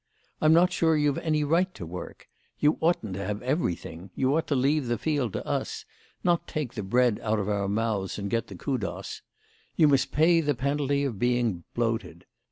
"I'm not sure you've any right to work—you oughtn't to have everything; you ought to leave the field to us, not take the bread out of our mouths and get the kudos. You must pay the penalty of being bloated.